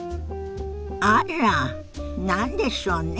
あら何でしょうね？